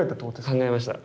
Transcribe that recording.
考えました。